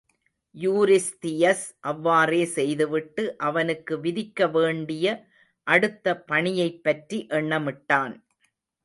Eurystheus அவ்வாறே செய்துவிட்டு, அவனுக்கு விதிக்க வேண்டிய அடுத்த பணியைப்பற்றி எண்ணமிட்டான்.